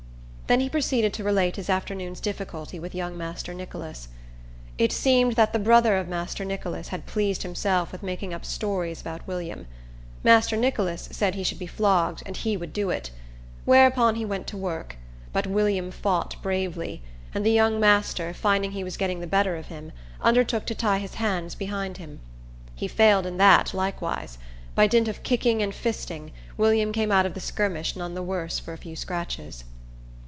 Then he proceeded to relate his afternoon's difficulty with young master Nicholas. It seemed that the brother of master Nicholas had pleased himself with making up stories about William. Master Nicholas said he should be flogged, and he would do it. Whereupon he went to work; but William fought bravely, and the young master, finding he was getting the better of him, undertook to tie his hands behind him. He failed in that likewise. By dint of kicking and fisting, William came out of the skirmish none the worse for a few scratches.